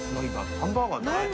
ハンバーガーじゃないの？